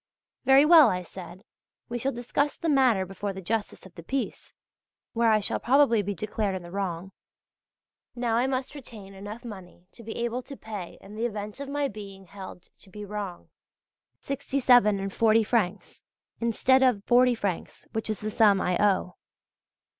"Very well," I said, "we shall discuss the matter before the Justice of the Peace" (where I shall probably be declared in the wrong). Now I must retain enough money to be able to pay in the event of my being held to be wrong 67·40 francs instead of 40 francs, which is the sum I owe.